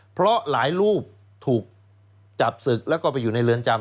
เพราะหลายรูปถูกจับศึกแล้วก็ไปอยู่ในเรือนจำ